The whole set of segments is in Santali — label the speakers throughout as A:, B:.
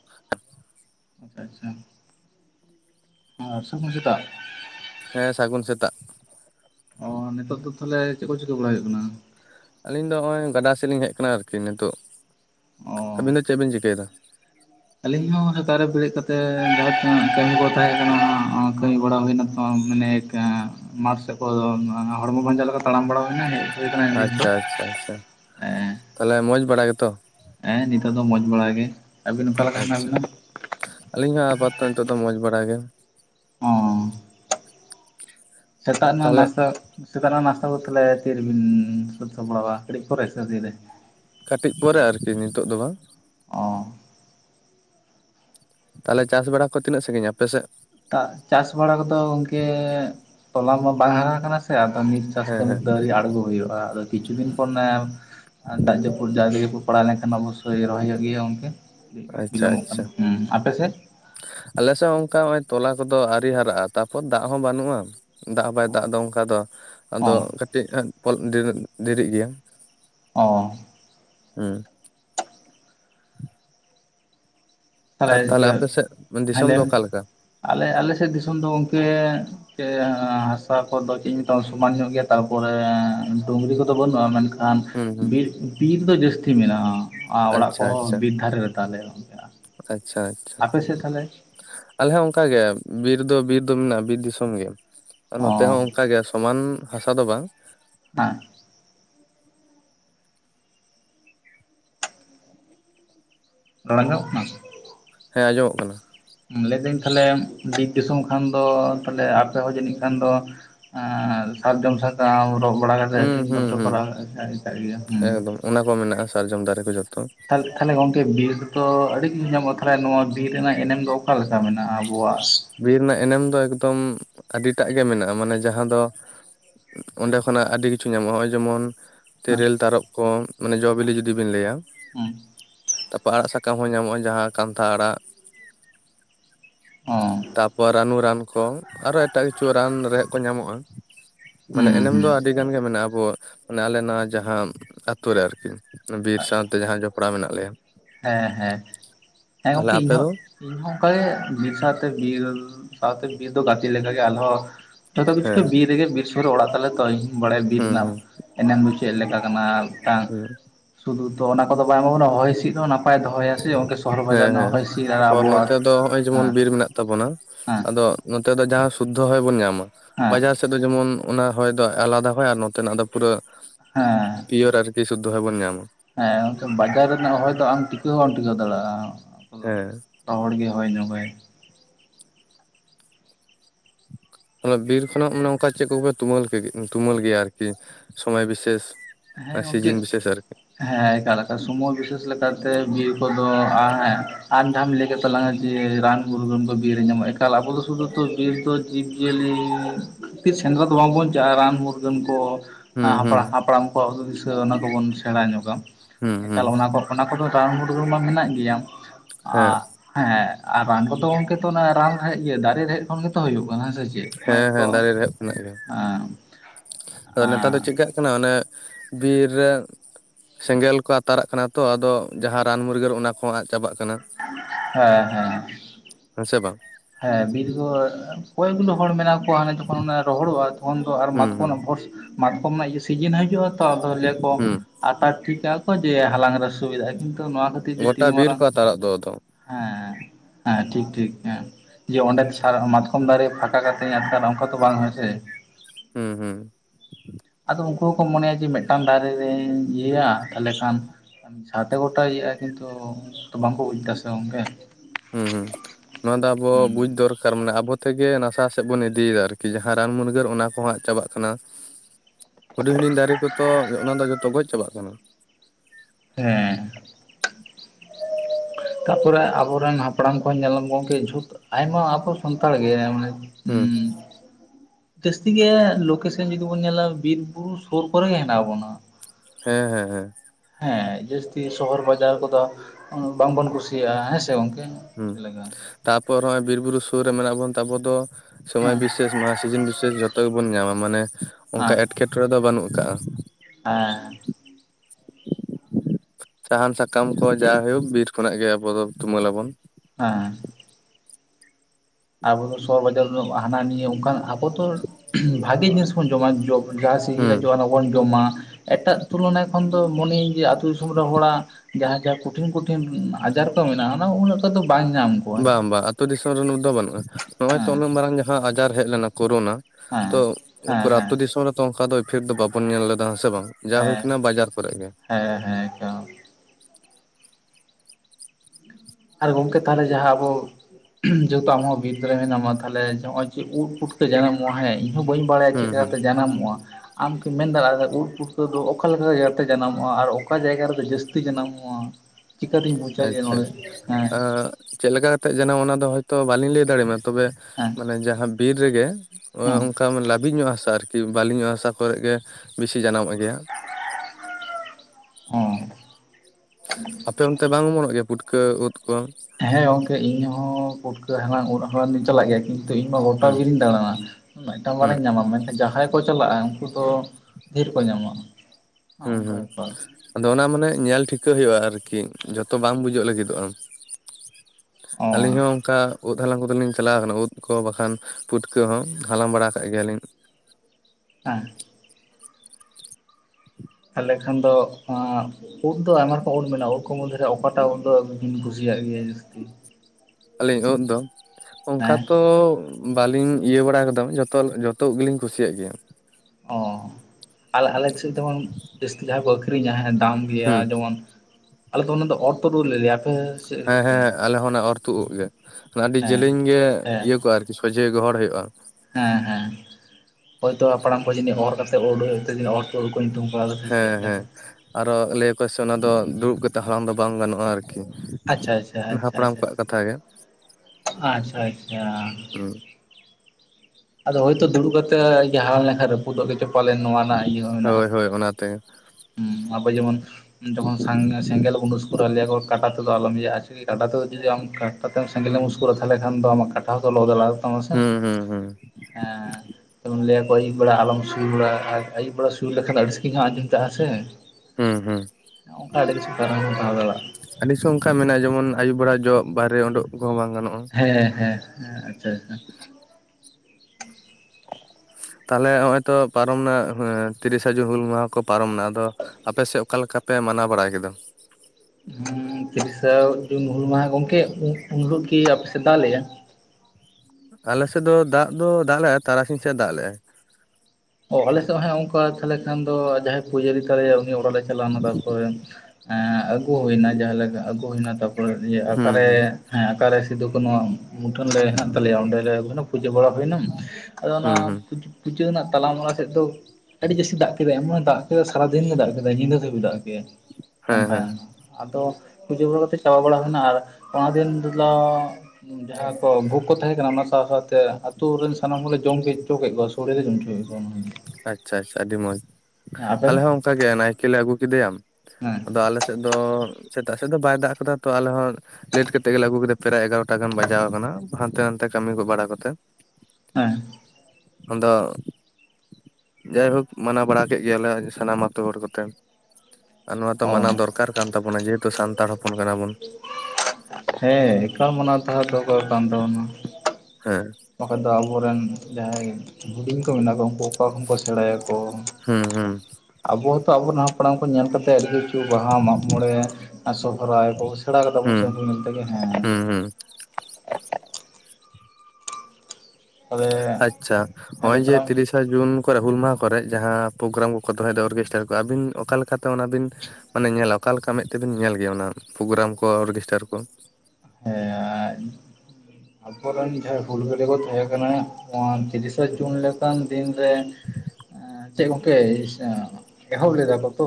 A: [inaudible]
B: ᱟᱪᱪᱷᱟ ᱦᱚᱸ ᱥᱟᱜᱩᱱ ᱥᱮᱛᱟᱜ।
A: ᱦᱮᱸ ᱥᱟᱹᱜᱩᱱ ᱥᱮᱛᱟᱜ।
B: ᱚ ᱱᱤᱛᱚᱜ ᱫᱚ ᱛᱟᱦᱚᱞᱮ ᱪᱮᱜ ᱠᱚ ᱪᱮᱠᱟ ᱵᱟᱲᱟᱭ ᱦᱩᱭᱩᱜ ᱠᱟᱱᱟ?
A: ᱟᱹᱞᱤᱧ ᱫᱚ ᱱᱚᱜᱼᱚᱭ ᱜᱟᱰᱟ ᱥᱮᱫ ᱞᱤᱧ ᱦᱮᱡ ᱟᱠᱟᱱᱟ ᱟᱨᱠᱤ ᱱᱤᱛᱚᱜ।
B: ᱚ
A: ᱟᱹᱵᱤᱱ ᱫᱚ ᱪᱮᱫ ᱵᱤᱱ ᱪᱤᱠᱟᱹᱭ ᱮᱫᱟ?
B: ᱟᱹᱞᱤᱧ ᱦᱚᱸ ᱥᱮᱛᱟᱜ ᱨᱮ ᱵᱮᱨᱮᱫ ᱠᱟᱛᱮ ᱡᱟᱸᱦᱟ ᱛᱤᱱᱟᱹᱜ ᱠᱟᱹᱢᱤ ᱠᱚ ᱛᱟᱸᱦᱮ ᱠᱟᱱᱟ ᱠᱟᱹᱢᱤ ᱵᱟᱲᱟ ᱦᱩᱭᱱᱟ ᱛᱚ ᱢᱟᱱᱮ ᱟᱸ ᱢᱟᱴᱷ ᱥᱮᱫ ᱠᱷᱚᱱ ᱦᱚᱲᱢᱚ ᱵᱟᱧᱪᱟᱣ ᱞᱮᱠᱟ ᱛᱟᱲᱟᱢ ᱵᱟᱲᱟ ᱦᱩᱭ ᱱᱟ ᱟᱨ ᱦᱮᱜ
A: ᱟᱪᱪᱷᱟ ᱟᱪᱪᱷᱟ ᱟᱪᱪᱷᱟ
B: ᱦᱮᱸ
A: ᱛᱟᱦᱚᱞᱮ ᱢᱚᱸᱡᱽ ᱵᱟᱲᱟ ᱜᱮᱛᱚ?
B: ᱦᱮᱸ ᱱᱤᱛᱚᱜ ᱫᱚ ᱢᱚᱸᱡᱽ ᱵᱟᱲᱟ ᱜᱮ। ᱟᱹᱵᱤᱱ ᱚᱠᱟ ᱞᱮᱠᱟ ᱦᱮᱱᱟᱜ
A: ᱟᱪᱪᱷᱟ,
B: ᱵᱤᱱᱟ
A: ᱟᱹᱞᱤᱧ ᱦᱚᱸ ᱟᱯᱟᱛᱚᱛᱚ ᱱᱤᱛᱚᱜ ᱫᱚ ᱢᱚᱡᱽ ᱵᱟᱲᱟ ᱜᱮ
B: ᱚᱸᱻ
A: [inaudible]
B: ᱥᱮᱛᱟᱜ ᱨᱮᱱᱟᱜ
A: ᱛᱟᱦᱚᱞᱮ
B: ᱱᱟᱥᱛᱟ ᱥᱮᱛᱟᱜ ᱨᱮᱱᱟᱜ ᱱᱟᱥᱛᱟ ᱫᱚ ᱛᱟᱦᱚᱞᱮ ᱛᱤ ᱨᱮᱵᱤᱱ ᱥᱟᱹᱛ ᱥᱟᱯᱲᱟᱣᱟ ᱠᱟᱹᱴᱤᱡ ᱯᱚᱨᱮ ᱥᱮ ᱛᱤᱨᱮ?
A: ᱠᱟᱹᱴᱤᱡ ᱯᱚᱨᱮ ᱟᱨᱠᱤ ᱱᱤᱛᱚᱜ ᱫᱚ ᱵᱟᱝ।
B: ᱚᱻ
A: ᱛᱟᱦᱚᱞᱮ ᱪᱟᱥ ᱵᱟᱲᱟ ᱠᱚ ᱛᱤᱱᱟᱹᱜ ᱥᱟᱹᱜᱤᱧ ᱟᱯᱮ ᱥᱮᱫ?
B: ᱛᱟ ᱪᱟᱥ ᱵᱟᱲᱟ ᱠᱚᱫᱚ ᱜᱚᱝᱠᱮ ᱛᱚᱞᱟ ᱢᱟ ᱵᱟᱝ ᱦᱟᱨᱟ ᱟᱠᱟᱱᱟ ᱥᱮ ᱟᱫᱚ ᱱᱤᱛ ᱪᱟᱥ
A: ᱦᱮᱸ
B: ᱠᱟᱹᱢᱤ
A: ᱦᱮᱸ
B: ᱫᱚ ᱟᱣᱨᱤ ᱟᱲᱜᱳ ᱦᱩᱭᱩᱜ ᱟ। ᱠᱤᱪᱷᱩ ᱫᱤᱱ ᱯᱚᱨ ᱫᱟᱜ ᱡᱟᱹᱯᱩᱫ [unintelligible] ᱯᱟᱲᱟᱣ ᱞᱮᱱᱠᱷᱟᱱ ᱚᱵᱚᱥᱥᱳᱭ ᱨᱚᱦᱚᱭᱚᱜ ᱜᱮᱭᱟ ᱜᱚᱝᱠᱮ।
A: ᱟᱪᱪᱷᱟ
B: ᱵᱤᱞᱚᱢᱚᱜ
A: ᱟᱪᱪᱷᱟ
B: ᱠᱟᱱᱟ ᱦᱩ ᱟᱯᱮ ᱥᱮᱫ?
A: ᱟᱞᱮ ᱥᱮᱫ ᱚᱱᱠᱟ ᱱᱚᱜ-ᱚᱭ ᱛᱚᱞᱟ ᱠᱚᱫᱚ ᱟᱹᱣᱨᱤ ᱦᱟᱨᱟᱜᱼᱟ ᱛᱟᱯᱚᱨ ᱫᱟᱜ ᱦᱚᱸ ᱵᱟᱹᱱᱩᱜᱼᱟ। ᱫᱟᱜ ᱵᱟᱭ ᱫᱟᱜ ᱫᱟ ᱚᱱᱠᱟ ᱫᱚ
B: ᱚ
A: ᱟᱫᱚ ᱠᱟᱹᱴᱤᱡ ᱰᱮᱨᱤᱜ ᱜᱮᱭᱟ।
B: ᱚᱻ
A: ᱦᱮᱸ
B: ᱛᱟᱦᱚᱞᱮ
A: ᱟᱨ
B: ᱤᱭᱟᱹ
A: ᱟᱯᱮ ᱥᱮᱫ
B: ᱦᱮ
A: ᱫᱤᱥᱚᱢ
B: ᱞᱟᱹᱭ
A: ᱫᱚ
B: ᱢᱮ,
A: ᱚᱠᱟ ᱞᱮᱠᱟ?
B: ᱟᱞᱮ ᱟᱞᱮ ᱥᱮᱫ ᱫᱤᱥᱚᱢ ᱫᱚ ᱜᱚᱝᱠᱮ ᱪᱮ ᱦᱟᱥᱟ ᱠᱚᱫᱚ ᱪᱮᱫ ᱤᱧ ᱢᱮᱛᱟᱢᱟ ᱥᱚᱢᱟᱱ ᱧᱚᱜ ᱜᱮᱭᱟ ᱛᱟᱨᱯᱚᱨᱮ ᱰᱩᱝᱨᱤ ᱠᱚᱫᱚ ᱵᱟᱹᱱᱩᱜᱼᱟ ᱢᱮᱱᱠᱷᱟᱱ
A: ᱦᱩᱸ
B: ᱠᱷᱟᱱ
A: ᱦᱩᱸ
B: ᱵᱤᱨ ᱵᱤᱨ ᱫᱚ ᱡᱟᱹᱥᱛᱤ ᱢᱮᱱᱟᱜᱼᱟ ᱚᱲᱟᱜ
A: ᱟᱪᱪᱷᱟ
B: ᱠᱚᱦᱚᱸ
A: ᱟᱪᱪᱷᱟ
B: ᱵᱤᱨ ᱫᱷᱟᱨᱮ ᱨᱮ ᱛᱟᱞᱮ
A: ᱟᱪᱪᱷᱟ ᱟᱪᱪᱷᱟ
B: ᱟᱯᱮ ᱥᱮᱫ ᱛᱟᱦᱚᱞᱮ?
A: ᱟᱞᱮ ᱦᱚᱸ ᱚᱱᱠᱟᱜᱮ ᱵᱤᱨ ᱫᱚ ᱵᱤᱨ ᱫᱚ ᱢᱮᱱᱟᱜᱼᱟ ᱵᱤᱨ ᱫᱤᱥᱚᱢ ᱜᱮ ᱟᱨ ᱱᱚᱛᱮ ᱦᱚᱸ
B: ᱚ
A: ᱚᱱᱠᱟ ᱜᱮᱭᱟ ᱥᱚᱢᱟᱱ ᱦᱟᱸᱥᱟ ᱫᱚ ᱵᱟᱝ।
B: ᱦᱟᱸ ᱨᱚᱲ ᱟᱸᱡᱚᱢᱚᱜ ᱠᱟᱱᱟ?
A: ᱦᱮᱸ ᱟᱸᱡᱚᱢᱚᱜ ᱠᱟᱱᱟ।
B: ᱞᱟᱹᱭᱫᱟᱹᱧ ᱛᱟᱦᱞᱮ ᱵᱤᱨ ᱫᱤᱥᱚᱢ ᱠᱷᱟᱱ ᱫᱚ ᱛᱟᱦᱚᱞᱮ ᱟᱯᱮ ᱦᱚᱸ ᱡᱟᱹᱱᱤᱡ ᱠᱷᱟᱱ ᱫᱚ ᱮᱸ ᱥᱟᱨᱡᱚᱢ ᱥᱟᱠ ᱼᱠᱟᱢ ᱨᱚᱜ ᱵᱟᱲᱟ ᱠᱟᱛᱮ
A: ᱦᱩᱸ
B: ᱟᱹᱠᱷᱨᱤᱧ
A: ᱦᱩᱸ
B: ᱠᱚᱯᱮ
A: ᱦᱩᱸ
B: ᱠᱚᱨᱟᱣ ᱠᱟᱜ ᱜᱮᱭᱟ, ᱦᱮᱸ
A: ᱛᱚ
B: ᱛᱟᱦᱚᱞᱮ ᱛᱟᱦᱚᱞᱮ ᱜᱚᱝᱠᱮ ᱵᱤᱨ ᱫᱚ ᱟᱹᱰᱤ ᱠᱤᱪᱷᱩ ᱧᱟᱢᱚᱜᱼᱟ ᱛᱟᱦᱚᱞᱮ ᱱᱚᱣᱟ ᱵᱤᱨ ᱨᱮᱱᱟᱜ ᱮᱱᱮᱢ ᱫᱚ ᱚᱠᱟ ᱞᱮᱠᱟ ᱢᱮᱱᱟᱜᱼᱟ ᱟᱵᱚᱣᱟᱜ?
A: ᱵᱤᱨ ᱨᱮᱱᱟᱜ ᱮᱱᱮᱢ ᱫᱚ ᱮᱠᱫᱚᱢ ᱟᱹᱰᱤᱴᱟᱜ ᱜᱮ ᱢᱮᱱᱟᱜᱼᱟ ᱢᱟᱱᱮ ᱡᱟᱦᱟᱸ ᱫᱚ ᱚᱸᱰᱮ ᱠᱷᱚᱱᱟᱜ ᱟᱹᱰᱤ ᱠᱤᱪᱷᱩ ᱧᱟᱢᱚᱜ-ᱟ ᱱᱚᱜᱼᱚᱭ ᱡᱮᱢᱚᱱ
B: ᱦᱮᱸ
A: ᱛᱮᱨᱮᱞ ᱛᱟᱨᱚᱵ ᱠᱚ ᱢᱟᱱᱮ ᱡᱚ -ᱵᱤᱞᱤ ᱡᱩᱫᱤ ᱵᱤᱱ ᱞᱟᱹᱭᱟ ᱛᱟᱨ ᱯᱚᱨ ᱟᱲᱟᱜ ᱥᱟᱠᱟᱢ ᱦᱚᱸ ᱧᱟᱢᱚᱜᱼᱟ ᱡᱟᱦᱟᱸ ᱠᱟᱱᱛᱷᱟ ᱟᱲᱟᱜ।
B: ᱚ
A: ᱛᱟᱨ ᱯᱚᱨ ᱨᱟᱱᱩ ᱨᱟᱱ ᱠᱚ ᱟᱨᱦᱚᱸ ᱮᱴᱟᱜ ᱠᱤᱪᱷᱩ ᱨᱟᱱ ᱨᱮᱦᱮᱫ ᱠᱚ ᱧᱟᱢᱚᱜᱼᱟ, ᱢᱟᱱᱮ
B: ᱦᱩᱸ
A: ᱮᱱᱮᱢ
B: ᱦᱩᱸ
A: ᱫᱚ ᱟᱹᱰᱤ ᱟᱹᱰᱤ ᱜᱟᱱ ᱜᱮ ᱢᱮᱱᱟᱜᱼᱟ ᱟᱵᱚ ᱢᱟᱱᱮ ᱟᱞᱮ ᱱᱚᱣᱟ ᱡᱟᱦᱟᱸ ᱟᱛᱳ ᱨᱮ ᱟᱨᱠᱤ। ᱵᱤᱨ ᱥᱟᱶᱛᱮ ᱡᱟᱸᱦᱟ ᱡᱚᱯᱚᱲᱟᱣ ᱢᱮᱱᱟᱜ ᱞᱮᱭᱟ
B: ᱦᱮᱸ
A: ᱛᱟᱦᱚᱞᱮ ᱟᱯᱮ ᱫᱚ?
B: ᱤᱧ ᱦᱚᱸ ᱚᱝᱠᱟᱜᱮ ᱵᱤᱨ ᱥᱟᱶᱛᱮ ᱵᱤᱨ ᱥᱟᱶᱛᱮ ᱵᱤᱨ ᱫᱚ ᱜᱟᱛᱮ ᱞᱮᱠᱟᱜᱮ ᱟᱞᱦᱚᱸ ᱡᱚᱛᱚ ᱠᱤᱪᱷᱩ
A: ᱦᱮᱸ
B: ᱵᱤᱨ ᱨᱮᱜᱮ ᱵᱤᱨ ᱥᱩᱨ ᱚᱲᱟᱜ ᱛᱟᱞᱮ ᱛᱚ ᱤᱧ ᱵᱟᱲᱟᱭᱟ ᱵᱤᱨ
A: ᱦᱩᱸ
B: ᱨᱮᱱᱟᱜ
A: ᱦᱩᱸ
B: ᱮᱱᱮᱢ ᱫᱚ ᱪᱮ ᱞᱮᱠᱟ ᱠᱟᱱᱟ ᱢᱤᱜᱴᱟᱝ
A: [inaudible]
B: ᱥᱩᱫᱩ ᱛᱚ ᱚᱱᱟ ᱠᱚᱫᱚ ᱵᱟᱭ ᱮᱢᱟ ᱵᱚᱱᱟ ᱦᱚᱭ ᱦᱤᱥᱤᱫ ᱱᱟᱯ
A: ᱦᱮᱸ ᱦᱮᱸ
B: ᱟᱨ
A: ᱛᱟᱯᱚᱨ
B: ᱟᱵᱚᱣᱟᱜ
A: ᱱᱚᱛᱮ ᱫᱚ ᱦᱚᱸᱜᱼᱚᱭ ᱡᱮᱢᱚᱱ
B: ᱦᱮᱸ
A: ᱵᱤᱨ ᱢᱮᱱᱟᱜ ᱛᱟᱵᱚᱱᱟ
B: ᱦᱮᱸ
A: ᱟᱫᱚ ᱱᱚᱛᱮ ᱫᱚ ᱡᱟᱦᱟᱸ ᱥᱩᱫᱽᱫᱷᱚ ᱦᱚᱭ ᱵᱚᱱ ᱧᱟᱢᱟ
B: ᱦᱮᱸ
A: ᱵᱟ ᱡᱟ ᱛᱮᱫᱚ ᱡᱮᱢᱚᱱ ᱚᱱᱟ ᱦᱚᱭ ᱫᱚ ᱟᱞᱟᱫᱟ ᱦᱚᱭ ᱟᱨ ᱱᱚᱛᱮᱱᱟᱜ ᱫᱚ ᱯᱩᱨᱟᱹ
B: ᱦᱮᱸ
A: ᱯᱤᱭᱚᱨ ᱟᱨᱠᱤ ᱥᱩᱫᱷᱚ ᱦᱚᱭ ᱵᱚᱱ ᱧᱟᱢᱟ᱾
B: ᱦᱮᱸ ᱚᱝᱠᱮ ᱵᱟᱡᱟᱨ ᱨᱮᱱᱟᱜ ᱦᱚᱭ ᱫᱚ ᱟᱢ ᱴᱤᱠᱟᱹᱣ ᱦᱚᱸ ᱵᱟᱢ ᱴᱤᱠᱟᱹᱣ ᱫᱟᱲᱮᱜᱼᱟ᱾ ᱟᱫᱚ
A: ᱦᱮᱸ
B: ᱛᱚ ᱦᱚᱲ ᱜᱮ ᱦᱚᱭ ᱧᱚᱜᱟᱭ
A: ᱚᱱᱮ ᱵᱤᱨ ᱠᱷᱚᱱᱟᱜ ᱢᱟᱱᱮ ᱚᱝᱠᱟ ᱪᱮᱜ ᱠᱚᱯᱮ ᱛᱩᱢᱟᱹᱞ ᱠᱮᱜ ᱛᱩᱢᱟᱹᱞ ᱜᱮᱭᱟ ᱟᱨᱠᱤ ᱥᱚᱢᱚᱭ ᱵᱤᱥᱮᱥ?
B: ᱦᱮᱸ ᱜᱚᱝᱠᱮᱜ
A: ᱥᱤᱡᱤᱱ ᱵᱤᱥᱮᱥ ᱟᱨᱠᱤ
B: ᱦᱮᱸ ᱮᱠᱟᱞ ᱮᱠᱟᱞ ᱥᱚᱢᱚᱭ ᱵᱤᱥᱮᱥ ᱞᱮᱠᱟᱛᱮ ᱵᱤᱨ ᱠᱚᱫᱚ ᱟᱨ ᱦᱮᱸ ᱟᱨ ᱡᱟᱦᱟᱸᱢ ᱞᱟᱹᱭ ᱠᱮᱫ ᱛᱟᱞᱟᱝᱟ ᱡᱮ ᱨᱟᱱ ᱢᱩᱨᱜᱟᱹᱱ ᱵᱤᱨ ᱧᱟᱢᱚᱜᱼᱟ, ᱮᱠᱟᱞ ᱟᱵᱚ ᱫᱚ ᱥᱩᱫᱷᱩ ᱛᱚ ᱵᱤᱨ ᱫᱚ ᱡᱤᱵᱽ ᱡᱤᱭᱟᱹᱞᱤ ᱠᱷᱟᱹᱛᱤᱨ ᱥᱮᱸᱫᱽᱨᱟ ᱫᱚ ᱵᱟᱝᱵᱚᱱ ᱪᱟᱞᱟᱜᱼᱟ ᱨᱟᱱ ᱢᱩᱨᱜᱟᱹᱱ ᱠᱚ ᱮᱸ
A: ᱦᱩᱸ ᱦᱩᱸ
B: ᱦᱟᱯᱲᱟ-ᱦᱟᱯᱲᱟᱢ ᱠᱚᱣᱟᱜ ᱩᱫᱩᱜ ᱫᱤᱥᱟᱹ ᱚᱱᱟ ᱠᱚᱵᱚᱱ ᱥᱮᱬᱟ ᱧᱚᱜᱟ
A: ᱦᱩᱸ ᱦᱩᱸ
B: ᱮᱠᱟᱞ ᱚᱱᱟ ᱠᱚ ᱟᱱᱟ ᱠᱚᱫᱚ ᱨᱟᱱ ᱢᱩᱰᱜᱟᱹ ᱢᱟ ᱢᱮᱱᱟᱜ ᱜᱮᱭᱟ ᱟ
A: ᱦᱮᱸ
B: ᱦᱮᱸ ᱟᱨ ᱨᱟᱱ ᱠᱚᱫᱚ ᱜᱚᱝᱠᱮ ᱛᱚ ᱚᱱᱮ ᱨᱟᱱ ᱨᱮᱦᱮᱫ ᱤᱭᱟᱹ ᱫᱟᱨᱮ ᱨᱮᱦᱮᱫ ᱠᱷᱚᱱ ᱜᱮᱛᱚ ᱦᱩᱭᱩᱜ ᱠᱟᱱᱟ ᱦᱮᱸ ᱥᱮᱪ
A: ᱦᱮᱸ ᱦᱮᱸ ᱫᱟᱨᱮ ᱨᱮᱦᱮᱜ ᱠᱷᱚᱱᱟᱜ ᱜᱮ ᱟᱫᱚ ᱱᱮᱛᱟᱨ ᱫᱚ ᱪᱮᱠᱟᱜ ᱠᱟᱱᱟ ᱚᱱᱟ ᱵᱤᱨ ᱨᱮ ᱥᱮᱸᱜᱮᱞ ᱠᱚ ᱟᱛᱟᱨᱟᱜ ᱠᱟᱱᱟ ᱛᱚ ᱟᱫᱚ ᱡᱟᱦᱟᱸ ᱨᱟᱱ ᱢᱩᱨᱜᱟᱹᱱ ᱚᱱᱟ ᱠᱚᱦᱚᱸ ᱟᱫ ᱪᱟᱵᱟᱜ ᱠᱟᱱᱟ᱾
B: ᱦᱮᱸ ᱦᱮᱸ
A: ᱦᱮᱸ ᱥᱮ ᱵᱟᱝ?
B: ᱦᱮᱸ ᱵᱤᱨ ᱫᱚ ᱠᱚᱭᱮᱠ ᱜᱩᱞᱳ ᱦᱚᱲ ᱢᱮᱱᱟᱜ ᱠᱚᱣᱟ ᱦᱟᱱᱮ ᱡᱚᱠᱷᱚᱱ ᱮ ᱨᱚᱦᱚᱲᱚᱜᱼᱟ ᱛᱚᱠᱷᱚᱱ ᱫᱚ ᱟᱨ
A: ᱦᱩᱸ ᱦᱩᱸ
B: ᱢᱟᱛᱠᱚᱢᱟᱜ ᱵᱷᱚᱨᱥ ᱢᱟᱛᱠᱚᱢ ᱨᱮᱱᱟᱜ ᱤᱭᱟᱹ ᱥᱤᱡᱤᱱ ᱦᱤᱡᱩᱜᱼᱟ᱾ ᱛᱚ ᱟᱫᱚ ᱞᱟᱹᱭᱟ ᱠᱚ
A: ᱦᱩᱸ
B: ᱟᱛᱟᱨ ᱴᱷᱤᱠᱟ ᱠᱚ ᱡᱮ ᱦᱟᱞᱟᱝ ᱨᱮ ᱥᱩᱵᱤᱫᱟᱜᱼᱟ ᱠᱤᱱᱛᱩ ᱱᱚᱣᱟ ᱠᱷᱟᱹ ᱛᱤᱨᱮ ᱛᱮ
A: ᱜᱚᱴᱟ
B: ᱛᱤᱱ
A: ᱵᱤᱨ
B: ᱢᱟᱨᱟᱨᱟᱝ
A: ᱠᱚ ᱟᱛᱟᱨᱟᱜ ᱫᱚ ᱟᱫᱚ
B: ᱦᱮᱸ ᱦᱮᱸ ᱴᱷᱤᱠ ᱴᱷᱤᱠ ᱦᱮᱸ᱾ ᱡᱮ ᱚᱸᱰᱮ ᱥᱟ ᱢᱟᱛᱠᱚᱢ ᱫᱟᱨᱮ ᱯᱷᱟᱸᱠᱟ ᱠᱟᱛᱮᱧ ᱟᱛᱟᱨᱟ ᱚᱝᱠᱟ ᱫᱚ ᱵᱟᱝ ᱦᱮᱸᱥᱮ᱾
A: ᱦᱩᱸ ᱦᱩᱸ
B: ᱟᱫᱚ ᱩᱝᱠᱩ ᱦᱚᱸᱠᱚ ᱢᱚᱱᱮᱭᱟ ᱡᱮ ᱢᱤᱫᱴᱟᱝ ᱫᱟᱨᱮ ᱨᱮᱧ ᱤᱭᱟᱹᱭᱟ ᱛᱟᱦᱞᱮ ᱠᱷᱟᱱ ᱥᱟᱶᱛᱮ ᱜᱚᱴᱟ ᱤᱭᱟᱹᱜᱼᱟ ᱠᱤᱱᱛᱩ ᱩᱝᱠᱩ ᱛᱚ ᱵᱟᱝᱠᱚ ᱵᱩᱡ ᱫᱟᱥᱮ ᱜᱚᱝᱠᱮ᱾
A: ᱦᱩᱸ ᱦᱩᱸ ᱱᱚᱣᱟ ᱫᱚ ᱟᱵᱚ ᱵᱩᱡ ᱫᱚᱨ ᱠᱟᱨᱢᱟᱱᱮ ᱟᱵᱚ ᱛᱮᱜᱮ ᱱᱟᱥᱟᱣ ᱥᱮᱜ ᱵᱚᱱ ᱤᱫᱤᱭᱫᱟ ᱟᱨᱠᱤ ᱡᱟᱦᱟᱸ ᱨᱟᱱ ᱢᱩᱨᱜᱟᱹᱱ ᱚᱱᱟ ᱠᱚᱦᱟᱸᱜ ᱪᱟᱵᱟᱜ ᱠᱟᱱᱟ᱾ ᱦᱩᱰᱤᱧ ᱦᱩᱰᱤᱧ ᱫᱟᱨᱮ ᱠᱚᱛᱚ ᱚᱱᱟ ᱫᱚ ᱡᱚᱛᱚ ᱜᱚᱡ ᱪᱟᱵᱟᱜ ᱠᱟᱱᱟ᱾
B: ᱦᱮᱸ ᱛᱟᱯᱚᱨᱮ ᱟᱵᱚᱨᱮᱱ ᱦᱟᱯᱲᱟᱢ ᱠᱚᱦᱚᱸ ᱧᱮᱞᱟᱢ ᱜᱚᱝᱠᱮ ᱡᱷᱚᱛ ᱟᱭᱢᱟ ᱟᱵᱚ ᱥᱟᱱᱛᱟᱲ ᱜᱮ ᱢᱟᱱᱮ ᱩᱸ
A: ᱦᱩᱸ
B: ᱡᱟᱹᱥᱛᱤ ᱜᱮ ᱞᱳᱠᱮᱥᱚᱱ ᱡᱩᱫᱤ ᱵᱚᱱ ᱧᱮᱞᱟ ᱵᱤᱨ ᱵᱩᱨᱩ ᱥᱩᱨ ᱠᱚᱨᱮ ᱜᱮ ᱦᱮᱱᱟᱜ ᱵᱚᱱᱟ᱾
A: ᱦᱮᱸ ᱦᱮᱸ ᱦᱮᱸ
B: ᱦᱮᱸ ᱡᱟᱹᱥᱛᱤ ᱥᱚᱦᱚᱨ ᱵᱟᱡᱟᱨ ᱠᱚᱫᱚ ᱵᱟᱝ ᱵᱚᱱ ᱠᱩᱥᱤᱭᱟᱜᱼᱟ ᱦᱮᱸ ᱥᱮ ᱜᱚᱝᱠᱮ?
A: ᱦᱩᱸ
B: ᱪᱮᱫ ᱞᱮᱠᱟ
A: ᱛᱟᱯᱚᱨ ᱱᱚᱜᱼᱚᱭ ᱵᱤᱨ ᱵᱩᱨᱩ ᱥᱩᱨ ᱨᱮ ᱢᱮᱱᱟᱜ ᱵᱚᱱ ᱛᱮ ᱟᱵᱚ ᱫᱚ ᱥᱚᱢᱚᱭ
B: ᱦᱮᱸ
A: ᱵᱤᱥᱮᱥ ᱱᱚᱣᱟ ᱥᱤᱡᱤᱱ ᱵᱤᱥᱮᱥ ᱡᱚᱛᱚ ᱜᱮᱵᱚᱱ ᱧᱟᱢᱟ ᱢᱟᱱᱮ ᱚᱝᱠᱟ
B: ᱦᱮᱸ
A: ᱮᱴᱠᱮ ᱴᱚᱨᱮ ᱫᱚ ᱵᱟᱹᱱᱩᱜ ᱠᱟᱜᱼᱟ᱾
B: ᱦᱮᱸ
A: ᱥᱟᱦᱟᱱ ᱥᱟᱠᱟᱢ ᱠᱚ ᱡᱟ ᱦᱩᱭᱩᱜ ᱵᱤᱨ ᱠᱷᱚᱱᱟᱜ ᱜᱮ ᱟᱵᱚ ᱫᱚ ᱛᱩᱢᱟᱹᱞᱟᱵᱚᱱ᱾
B: ᱦᱮᱸ ᱟᱵᱚ ᱫᱚ ᱥᱚᱦᱚᱨ ᱵᱟᱡᱟᱨ ᱨᱮᱫᱚ ᱦᱟᱱᱟ ᱱᱤᱭᱟᱹ ᱚᱝᱠᱟᱱᱟᱜ ᱟᱵᱚ ᱫᱚ ᱵᱷᱟᱜᱤ ᱡᱤᱱᱤᱥ ᱵᱚᱱ ᱡᱚᱢᱟ ᱡᱚ ᱡᱟᱦᱟᱸ ᱥᱤᱡᱤᱞ ᱨᱮᱱᱟᱜ
A: ᱦᱩᱸ
B: ᱡᱚ ᱚᱱᱟ ᱵᱚᱱ ᱡᱚᱢᱟ ᱮᱴᱟᱜ ᱛᱩᱞᱚᱱᱟ ᱠᱷᱚᱱ ᱫᱚ ᱢᱚᱱᱮᱭᱤᱧ ᱡᱮ ᱟᱛᱳ ᱫᱤᱥᱚᱢ ᱨᱮ ᱦᱚᱲᱟᱜ ᱡᱟᱦᱟᱸ ᱡᱟᱦᱟᱸ ᱠᱚᱴᱷᱤᱱ ᱠᱚᱴᱷᱤᱱ ᱟᱡᱟᱨ ᱠᱚ ᱢᱮᱱᱟᱜᱼᱟ ᱚᱱᱟ ᱦᱚᱸ ᱩᱱᱟᱹᱜ ᱴᱟ ᱫᱚ ᱵᱟᱝ ᱧᱟᱢ ᱠᱚᱣᱟ
A: ᱵᱟᱝ ᱵᱟᱝ ᱟᱛᱳ ᱫᱤᱥᱚᱢ ᱨᱮ ᱩᱱᱟᱹᱜ ᱫᱚ ᱵᱟᱹᱱᱩᱜᱼᱟ ᱾ ᱱᱚᱜ ᱚᱭ ᱛᱚ
B: ᱦᱮᱸ
A: ᱩᱱᱟᱹᱜ ᱢᱟᱨᱟᱝ ᱡᱟᱦᱟᱸ ᱟᱡᱟᱨ ᱦᱮᱡ ᱞᱮᱱᱟ ᱠᱳᱨᱳᱱᱟ
B: ᱦᱮᱸ
A: ᱛᱚ
B: ᱦᱮᱸ
A: ᱩᱱᱠᱩᱨ
B: ᱦᱮᱸ ᱦᱮᱸ
A: ᱟᱛᱳ ᱫᱤᱥᱚᱢ ᱨᱮᱫᱚ ᱚᱱᱠᱟ ᱫᱚ ᱤᱯᱷᱮᱠᱴ ᱫᱚ ᱵᱟᱵᱚᱱ ᱧᱮᱞ ᱞᱮᱫᱟ ᱦᱮᱸ ᱥᱮ ᱵᱟᱝ ᱡᱟ ᱦᱩᱭ
B: ᱦᱮᱸ
A: ᱠᱟᱱᱟ ᱵᱟᱡᱟᱨ ᱠᱚᱨᱮᱜ ᱜᱮ
B: ᱦᱮᱸ ᱦᱮᱸ ᱮᱠᱫᱚᱢ ᱟᱨ ᱜᱚᱢᱠᱮ ᱛᱟᱦᱚᱞᱮ ᱡᱟᱦᱟᱸ ᱟᱵᱚ ᱡᱮᱦᱮᱛᱩ ᱟᱢᱦᱚᱸ ᱵᱤᱛ ᱨᱮ ᱢᱮᱱᱟᱢᱟ ᱛᱟᱦᱚᱞᱮ ᱱᱚᱜ ᱚᱭ ᱡᱮ ᱩᱫ ᱯᱩᱴᱠᱟᱹ ᱡᱟᱱᱟᱢᱚᱜᱼᱟ ᱦᱮᱸ ᱾ᱤᱧ ᱦᱚᱸ ᱵᱟᱹᱧ ᱵᱟᱲᱟᱭᱟ
A: ᱦᱩᱸ
B: ᱪᱤᱠᱟ
A: ᱦᱩᱸ
B: ᱠᱟᱛᱮ ᱡᱟᱱᱟᱢᱚᱜᱼᱟ ᱾ ᱟᱢᱠᱤᱢ ᱢᱮᱱ ᱫᱟᱲᱮᱭᱟᱜᱼᱟ ᱩᱫ ᱯᱷᱩᱴᱟᱹ ᱫᱚ ᱚᱠᱟ ᱞᱮᱠᱟ ᱡᱟᱨᱛᱮ ᱡᱟᱱᱟᱢᱚᱜᱼᱟ ᱟᱨ ᱚᱠᱟ ᱡᱟᱭᱜᱟ ᱨᱮᱫᱚ ᱡᱟᱹᱥᱛᱤ ᱡᱟᱱᱟᱢᱚᱜᱼᱟ? ᱪᱤᱠᱟᱹᱛᱤᱧ ᱵᱩᱪᱟ ᱡᱮ
A: ᱟᱪᱪᱷᱟ ᱟᱸ
B: ᱱᱚᱸᱲᱮ
A: ᱪᱮᱫ ᱞᱮᱠᱟ ᱠᱟᱛᱮᱜ ᱡᱟᱱᱟᱢᱚᱜᱼᱟ ᱚᱱᱟ ᱫᱚ ᱦᱚᱭᱛᱳ ᱵᱟᱹᱞᱤᱧ ᱞᱟᱹᱭ ᱫᱟᱲᱮᱭᱟᱢᱟ ᱛᱚᱵᱮ
B: ᱦᱮᱸ
A: ᱢᱟᱱᱮ ᱡᱟᱦᱟᱸ ᱵᱤᱨ ᱨᱮᱜᱮ
B: ᱦᱮᱸ
A: ᱚᱱᱠᱟ ᱞᱟᱹᱵᱤᱫ ᱧᱚᱜ ᱦᱟᱥᱟ ᱟᱨᱠᱤ ᱠᱤ ᱵᱟᱹᱞᱤᱧᱚᱜ ᱦᱟᱥᱟ ᱠᱚᱨᱮ ᱜᱮ ᱵᱤᱥᱤ ᱡᱟᱱᱟᱢᱚᱜ ᱜᱮᱭᱟ
B: ᱚᱸ
A: ᱟᱯᱮ ᱚᱱᱛᱮ ᱵᱟᱝ ᱚᱢᱚᱱᱚᱜ ᱜᱮᱭᱟ ᱯᱩᱴᱠᱟᱹ ᱩᱫ ᱠᱚ?
B: ᱦᱮᱸ ᱜᱚᱝᱠᱮ ᱤᱧ ᱦᱚᱸ ᱯᱩᱴᱠᱟᱹ ᱦᱟᱞᱟᱝ ᱩᱫ ᱦᱟᱞᱟᱝ ᱫᱚᱧ ᱪᱟᱞᱟᱜ ᱜᱮᱭᱟ ᱠᱤᱱᱛᱩ ᱼ ᱤᱧ ᱢᱟ ᱜᱚᱴᱟ
A: ᱦᱩᱸ
B: ᱵᱤᱨᱤᱧ ᱫᱟᱬᱟᱱᱟ, ᱢᱤᱫᱴᱟᱝ
A: ᱦᱩᱸ
B: ᱵᱟᱨᱭᱟᱧ ᱧᱟᱢᱟ ᱢᱮᱱᱠᱷᱟᱱ ᱡᱟᱦᱟᱸᱭ ᱠᱚ ᱪᱟᱞᱟᱜᱼᱟ ᱩᱱᱠᱩ ᱫᱚ ᱰᱷᱮᱨ ᱠᱚ ᱧᱟᱢᱟ ᱾
A: ᱦᱩᱸ ᱦᱩᱸ ᱟᱫᱚ ᱚᱱᱟ ᱢᱟᱱᱮ ᱧᱮᱞ ᱴᱷᱤᱠᱟᱹ ᱦᱩᱭᱩᱜᱼᱟ ᱟᱨᱠᱤ ᱡᱚᱛᱚ ᱵᱟᱝ ᱵᱩᱡᱟᱹᱜ ᱞᱟᱹᱜᱤᱫᱚᱜᱼᱟ ᱾
B: ᱚ
A: ᱟᱹᱞᱤᱧ ᱦᱚᱸ ᱚᱱᱠᱟ ᱩᱫ ᱦᱟᱞᱟᱝ ᱠᱚᱫᱚᱞᱤᱧ ᱪᱟᱞᱟᱣ ᱠᱟᱱᱟ ᱩᱫ ᱠᱚ ᱵᱟᱠᱷᱟᱱ ᱯᱩᱴᱠᱟᱹ ᱦᱚᱸ ᱦᱟᱞᱟᱝ ᱵᱟᱲᱟ ᱠᱟᱜ ᱜᱮᱭᱟᱞᱤᱧ
B: ᱦᱮᱸ ᱛᱟᱦᱚᱞᱮ ᱠᱷᱟᱱ ᱫᱚ ᱱᱚᱣᱟ ᱩᱫ ᱫᱚ ᱟᱭᱢᱟ ᱨᱚᱠᱚᱢ ᱩᱫ ᱢᱮᱱᱟᱜᱼᱟ ᱾ ᱩᱫ ᱠᱚ ᱢᱚᱫᱫᱷᱮᱨᱮ ᱚᱠᱟᱴᱟᱜ ᱩᱫ ᱫᱚ ᱟ ᱵᱤᱱ ᱠᱩᱥᱤᱭᱟᱜ ᱜᱮᱭᱟ ᱡᱟᱹᱥᱛᱤ?
A: ᱟᱹᱞᱤᱧ ᱩᱫ ᱫᱚ ᱚᱱᱠᱟ
B: ᱦᱮᱸ
A: ᱛᱚ ᱵᱟᱞᱤᱧ ᱤᱭᱟᱹ ᱵᱟᱲᱟ ᱟᱠᱟᱫᱟ ᱡᱚᱛᱚ ᱡᱚᱛᱚ ᱜᱮᱞᱤᱧ ᱠᱩᱥᱤᱭᱟᱜ ᱜᱮᱭᱟ ᱾
B: ᱚ ᱟᱞᱮ ᱟᱞᱮ ᱥᱮᱫ ᱡᱟᱥᱛᱤ ᱫᱷᱟᱣ ᱠᱚ ᱟᱹᱠᱷᱨᱤᱧᱟ ᱦᱮᱸ ᱫᱟᱢ ᱼᱭᱟ
A: ᱦᱩᱸ
B: ᱡᱮᱢᱚᱱ ᱟᱞᱮ ᱫᱚ ᱚᱱᱟ ᱫᱚ ᱚᱨᱛᱩᱫ ᱩᱫ ᱞᱮ ᱞᱮᱭᱟ ᱾
A: ᱦᱮᱸ ᱦᱮᱸ ᱟᱞᱮ ᱦᱚᱸ ᱚᱱᱟ ᱚᱨᱛᱩᱫ ᱩᱫ ᱜᱮ ᱟᱹᱰᱤ
B: ᱦᱮᱸ
A: ᱡᱮᱞᱮᱧ ᱜᱮ
B: ᱦᱮᱸ
A: ᱤᱭᱟᱹ ᱠᱚᱜᱼᱟ ᱟᱨᱠᱤ ᱾ ᱥᱚᱡᱷᱮ ᱜᱚᱦᱚᱲ ᱦᱩᱭᱩᱜᱼᱟ ᱾
B: ᱦᱮᱸ ᱦᱮᱸ ᱾ ᱦᱚᱭᱛᱚ ᱦᱟᱯᱲᱟᱢ ᱠᱚ ᱡᱟᱹᱱᱤᱡ ᱚᱨ ᱠᱟᱛᱮᱜ ᱛᱩᱫ ᱦᱩᱭᱩᱜ ᱛᱮ ᱡᱟᱹᱱᱤᱡ ᱚᱨ ᱛ ᱠᱚ ᱧᱩᱛᱩᱢ ᱠᱟᱣᱫᱟ ᱥᱮ ᱪᱮᱫ
A: ᱦᱮᱸ ᱦᱮᱸ
B: ᱞᱮᱠᱟ
A: ᱾ ᱟᱨᱚ ᱞᱟᱹᱭ ᱟᱠᱚ ᱥᱮ ᱚᱱᱟ ᱫᱚ ᱫᱩᱲᱩᱵ ᱠᱟᱛᱮ ᱦᱟᱞᱟᱝ ᱫᱚ ᱵᱟᱝ ᱜᱟᱱᱚᱜᱼᱟ ᱟᱨᱠᱤ
B: ᱟᱪᱪᱷᱟ ᱟᱪᱪᱷᱟ
A: ᱾
B: ᱟᱪᱪᱷᱟ
A: ᱦᱟᱯᱲᱟᱢ
B: ᱟᱪᱪᱷᱟ
A: ᱠᱚᱣᱟᱜ ᱠᱟᱛᱷᱟ ᱜᱮ ᱾
B: ᱟᱪᱪᱷᱟ ᱟᱪᱪᱷᱟ ᱟᱫᱚ ᱦᱳᱭᱛᱳ ᱫᱩᱲᱩᱵ ᱠᱟᱛᱮᱜ ᱡᱟᱦᱟ ᱞᱮᱱᱠᱷᱟᱱ ᱨᱟᱹᱯᱩᱫᱚᱜ ᱜᱮ ᱪᱚ ᱯᱟᱞᱮᱱ ᱱᱚᱣᱟ ᱨᱮᱱᱟᱜ ᱤᱭᱟᱹ ᱦᱚᱸ ᱢᱮᱱᱟᱜᱼᱟ
A: ᱦᱳᱭ ᱦᱳᱭ ᱚᱱᱟᱛᱮ
B: ᱾ ᱟᱸᱵᱚ ᱡᱮᱢᱚᱱ ᱡᱚᱠᱷᱚᱱ ᱥᱟ ᱥᱮᱸᱜᱮᱞ ᱵᱚᱱ ᱩᱥᱠᱩᱨᱟᱜ-ᱟ ᱞᱮᱭᱟᱠᱚ ᱠᱟᱴᱟ ᱛᱮᱫᱚ ᱫᱚ ᱟᱞᱚᱢ ᱤᱭᱟᱹ ᱟᱪᱮ ᱠᱟᱴᱟ ᱛᱮ ᱡᱩᱫᱤ ᱟᱢ ᱠᱟᱴᱟ ᱛᱮᱢ ᱥᱮᱜᱮᱞ ᱮᱢ ᱩᱥᱠᱩᱨᱟ ᱛᱟᱦᱚᱞᱮ ᱠᱷᱟᱱ ᱫᱚ ᱟᱢ ᱠᱟᱴᱟ ᱦᱚᱸᱛᱚ ᱞᱚ ᱫᱟᱲᱮ ᱛᱟᱢᱟ ᱥᱮ ᱾
A: ᱦᱩᱸ ᱦᱩᱸ ᱦᱩᱸ
B: ᱦᱮᱸ ᱠᱟᱨᱚᱱ ᱞᱟᱹᱭᱟᱠᱚ ᱟᱹᱭᱩᱵ ᱵᱮ ᱟᱞᱚᱢ ᱥᱩᱭᱩᱲᱟ ᱟᱨ ᱟᱹᱭᱩᱵ ᱵᱮᱲᱟ ᱥᱩᱭᱩᱲ ᱞᱮᱠᱷᱟᱱ ᱫᱚ ᱟᱹᱰᱤ ᱥᱟᱸᱜᱤᱧ ᱦᱚᱸ ᱟᱸᱡᱚᱢ ᱪᱟᱞᱟᱜ-ᱟ ᱥᱮ
A: ᱦᱩᱸ ᱦᱩᱸ
B: ᱱᱚᱜ-ᱱᱚᱝᱠᱟ ᱟᱹᱰᱤ ᱠᱤᱪᱷᱩ ᱦᱚᱸ ᱠᱟᱨᱚᱱ ᱦᱚᱸ ᱛᱟᱦᱮᱸ ᱫᱟᱲᱮᱜ-ᱟ᱾
A: ᱟᱹᱰᱤ ᱥᱚᱝᱠᱟ ᱢᱮᱱᱟᱜᱼᱟ ᱡᱮᱢᱚᱱ ᱟᱹᱭᱩ ᱵᱮᱲᱟ ᱡᱚᱜ ᱵᱟᱦᱨᱮ ᱚᱰᱚᱜ ᱠᱚᱦᱚᱸ ᱵᱟᱝ ᱜᱟᱱᱚᱜᱼᱟ᱾
B: ᱦᱮᱸᱻ ᱦᱮᱸᱻ ᱦᱮᱸᱻᱦᱮᱸᱻ ᱟᱪᱷᱟ-ᱟᱪᱷᱟ
A: ᱛᱟᱦᱚᱞᱮ ᱦᱚᱸᱜᱼᱚᱭ ᱛᱚ ᱯᱟᱨᱚᱢᱮᱱᱟ ᱦᱮᱸ ᱛᱤᱨᱤᱥᱮ ᱡᱩᱱ ᱦᱩᱞ ᱢᱟᱦᱟ ᱠᱚ ᱯᱟᱨᱚᱢᱮᱱᱟ ᱟᱫᱚ ᱟᱯᱮ ᱥᱮᱫ ᱚᱠᱟ ᱞᱮᱠᱟ ᱯᱮ ᱢᱟᱱᱟᱣ ᱵᱟᱲᱟ ᱠᱮᱫᱟ
B: ᱦᱮᱸ ᱛᱤᱨᱤᱥᱟᱹ ᱡᱩᱱ ᱦᱩᱞ ᱢᱟᱦᱟ ᱜᱚᱝᱠᱮ ᱩᱱ ᱦᱤᱞᱚᱜ ᱠᱤ ᱟᱯᱮ ᱥᱮᱫ ᱫᱟᱜ ᱞᱮᱜ-ᱟᱭ
A: ᱟᱞᱮᱥᱮᱫ ᱫᱚ ᱫᱟᱜ ᱫᱚ ᱫᱟᱜ ᱞᱮ-ᱟᱭ ᱛᱟᱨᱟᱥᱤᱧ ᱥᱮᱫ ᱮ ᱫᱟᱜ ᱞᱮᱼᱟᱭ
B: ᱚ ᱟᱞᱮᱥᱮᱫ ᱦᱚᱸ ᱚᱱᱠᱟ ᱛᱟᱦᱚᱞᱮ ᱠᱷᱟᱱ ᱫᱚ ᱡᱟᱦᱟᱸᱭ ᱯᱩᱡᱟᱹᱨᱤ ᱛᱟᱞᱮᱭᱟ ᱩᱱᱤᱭᱟᱜ ᱚᱲᱟᱜ ᱞᱮ ᱪᱟᱞᱟᱣᱮᱱᱟ ᱛᱟᱨᱯᱚᱨᱮᱼᱼ ᱦᱮᱸ ᱟᱹᱜᱩ ᱦᱩᱭᱱᱟ ᱡᱟᱦᱟᱸᱞᱮᱠᱟ ᱟᱹᱜᱩ ᱦᱩᱭᱱᱟ ᱛᱟᱨᱯᱚᱨᱮ ᱤᱭᱟᱹ
A: ᱦᱩᱸ
B: ᱚᱠᱟᱨᱮᱼᱼ
A: ᱦᱩᱸ
B: ᱦᱮᱸ ᱚᱠᱟᱨᱮ ᱥᱤᱫᱩᱠᱟᱱᱩᱣᱟᱜᱼᱼ ᱢᱩᱴᱷᱟᱹᱱ ᱞᱮ ᱦᱮᱱᱟᱜ ᱛᱟᱞᱮᱭᱟ ᱚᱸᱰᱮ ᱯᱩᱡᱟᱹ ᱵᱟᱲᱟ ᱦᱩᱭᱱᱟᱢ ᱟᱫᱚ ᱚᱱᱟ
A: ᱦᱩᱸ ᱦᱩᱸ
B: ᱯᱩᱡᱟᱹ ᱱᱟᱜᱼᱼ ᱛᱟᱞᱟ ᱢᱟᱞᱟ ᱥᱮᱫ ᱫᱚ ᱟᱹᱰᱤ ᱡᱟᱹᱥᱛᱤ ᱫᱟᱜ ᱠᱮᱫᱟᱭ ᱮᱢᱚᱱᱮ ᱫᱟᱜ ᱠᱮᱫᱟᱭ ᱥᱟᱨᱟᱫᱤᱱ ᱜᱮ ᱫᱟᱜ ᱠᱮᱫᱟᱭ ᱧᱤᱫᱟᱹ ᱫᱷᱟᱹᱵᱤᱡ ᱫᱟᱜ ᱠᱮᱫᱟ
A: ᱦᱮᱸ
B: ᱚᱱᱠᱟ
A: ᱦᱮᱸ
B: ᱟᱫᱚ ᱯᱩᱡᱟᱹ ᱵᱟᱲᱟ ᱠᱟᱛᱮᱜ ᱪᱟᱵᱟ ᱵᱟᱲᱟ ᱦᱩᱭᱱᱟ ᱟᱨ ᱚᱱᱟ ᱫᱤᱱ ᱫᱚᱼᱼ ᱡᱟᱦᱟᱸ ᱠᱚ ᱵᱷᱚᱜᱽ ᱠᱚ ᱛᱟᱦᱮᱸ ᱠᱟᱱᱟ ᱚᱱᱟ ᱥᱟᱶ-ᱥᱟᱶᱛᱮ ᱟᱹᱛᱩ ᱨᱮᱱ ᱥᱟᱱᱟᱢ ᱦᱚᱲᱞᱮ ᱡᱚᱢ ᱚᱪᱚ ᱠᱮᱫ ᱠᱚᱣᱟ ᱥᱚᱲᱮ ᱞᱮ ᱡᱚᱢ ᱦᱚᱪᱚᱼᱼ
A: ᱟᱪᱷᱟ-ᱟᱪᱷᱟ ᱟᱹᱰᱤ ᱢᱚᱡᱽ ᱟᱞᱮ
B: ᱟᱵᱮᱱ
A: ᱦᱚᱸ ᱚᱱᱠᱟᱜᱮ ᱱᱟᱭᱠᱮ ᱞᱮ ᱟᱹᱜᱩ ᱠᱮᱫᱮᱭᱟ
B: ᱦᱮᱸ
A: ᱟᱫᱚ ᱟᱞᱮ ᱥᱮᱫ ᱫᱚ ᱥᱮᱛᱟᱜ ᱥᱮᱫ ᱫᱚ ᱵᱟᱭ ᱫᱟᱜ ᱠᱟᱫᱟ ᱛᱚ ᱟᱞᱮ ᱦᱚᱸᱼᱼ ᱞᱮᱴ ᱠᱟ ᱠᱟᱛᱮᱜ ᱜᱮᱞᱮ ᱟᱹᱜᱩ ᱠᱮᱫᱮᱭᱟ ᱯᱨᱟᱭ ᱮᱜᱟᱨᱚᱴᱟ ᱜᱟᱱ ᱵᱟᱡᱟᱣ ᱠᱟᱱᱟ ᱦᱟᱱᱛᱮ ᱱᱟᱛᱮ ᱠᱟᱹᱢᱤ ᱠᱚ ᱵᱟᱲᱟ ᱠᱚᱛᱮ
B: ᱦᱮᱸ
A: ᱟᱫᱚᱼᱼ ᱡᱟᱭᱦᱩᱠ ᱢᱟᱱᱟᱣ ᱵᱟᱲᱟ ᱠᱮᱫ ᱜᱮᱭᱟᱞᱮ ᱥᱟᱱᱟᱢ ᱟᱹᱛᱩ ᱦᱚᱲ ᱠᱚᱛᱮ ᱟᱨ ᱱᱚᱣᱟ ᱛᱚ
B: ᱚ
A: ᱢᱟᱱᱟᱣ ᱫᱚᱨᱠᱟᱨᱼᱼ ᱠᱟᱱ ᱛᱟᱵᱚᱱᱟ ᱡᱮᱦᱩᱛᱩ ᱥᱟᱱᱛᱟᱲ ᱦᱚᱯᱚᱱ ᱠᱟᱱᱟ ᱵᱚᱱ
B: ᱦᱮᱸ ᱮᱠᱟᱞ ᱢᱟᱱᱟᱣ ᱛᱟᱸᱦᱮ ᱫᱚᱨᱠᱟᱨ ᱠᱟᱱ ᱛᱟᱵᱚᱱᱟ
A: ᱦᱮᱸᱻ
B: ᱵᱟᱠᱷᱟᱱ ᱫᱚ ᱟᱵᱚᱨᱮᱱ ᱡᱟᱦᱟᱸᱭ ᱦᱩᱰᱤᱧ ᱠᱚ ᱢᱮᱱᱟᱜ ᱠᱭᱟᱚ ᱩᱱᱠᱩ ᱚᱠᱟ ᱠᱷᱚᱱ ᱠᱚ ᱥᱮᱬᱟᱭᱟᱠᱚ
A: ᱦᱩᱸ-ᱦᱩᱸ
B: ᱟᱵᱚ ᱦᱚᱸᱛᱚ ᱟᱵᱚᱨᱮᱱ ᱦᱟᱯᱲᱟᱢ ᱠᱚ ᱧᱮᱞ ᱠᱟᱛᱮ ᱜᱮᱼᱼ ᱵᱟᱦᱟ, ᱢᱟᱜ ᱢᱚᱬᱮ ᱟᱨ ᱥᱚᱦᱨᱟᱭ ᱠᱚ ᱠᱚ ᱥᱮᱬᱟ ᱠᱟᱫᱟᱵᱚᱱ ᱥᱮ ᱩᱱᱠᱩ
A: ᱦᱩᱸ
B: ᱧᱮᱞ ᱛᱮᱜᱮ ᱦᱮᱸ
A: ᱪᱮᱫ ᱦᱚᱸ ᱵᱟᱝ ᱟᱸᱡᱚᱢᱚᱜ ᱠᱟᱱᱟ
B: ᱛᱚᱵᱮ
A: ᱟᱪᱷᱟ
B: ᱦᱮᱸ
A: ᱱᱚᱜᱼᱚᱭ
B: ᱞᱟᱹᱭ
A: ᱡᱮ
B: ᱛᱟᱞᱟᱝ
A: ᱛᱤᱨᱤᱥᱼᱼ ᱥᱟ ᱡᱩᱱ ᱠᱚᱨᱮ ᱦᱩᱞ ᱢᱟᱦᱟ ᱠᱚᱨᱮ ᱡᱟᱦᱟᱸ ᱯᱨᱳᱜᱨᱟᱢ ᱠᱚᱠᱚ ᱫᱚᱦᱚᱭᱮᱫᱟ ᱚᱨᱜᱮᱥᱴᱟᱨ ᱠᱚ ᱟᱹᱵᱤᱱ ᱚᱠᱟ ᱞᱮᱠᱟᱛᱮ ᱚᱱᱟᱵᱤᱱᱼᱼ ᱢᱟᱱᱮ ᱧᱮᱞᱟ ᱚᱠᱟᱞᱮᱠᱟ ᱢᱮᱫ ᱛᱮᱵᱤᱱ ᱧᱮᱞ ᱜᱮᱭᱟ ᱚᱱᱟ ᱯᱨᱳᱜᱨᱟᱢ ᱠᱚ ᱚᱨᱜᱮᱥᱴᱟᱨ ᱠᱚ
B: ᱦᱮᱸ ᱟᱵᱚᱨᱮᱱ ᱡᱟᱦᱟᱸᱭ ᱦᱩᱞᱜᱟᱹᱨᱤᱭᱟᱹ ᱠᱚ ᱛᱟᱦᱮᱸ ᱠᱟᱱᱟ ᱱᱚᱣᱟ ᱛᱤᱨᱤᱥᱟ ᱡᱩᱱ ᱞᱮᱠᱟᱱ ᱫᱤᱱᱨᱮᱼᱼ ᱪᱮᱫ ᱜᱚᱝᱠᱮ ᱮᱦᱚᱵ ᱞᱮᱫᱟ ᱠᱚ ᱛᱚ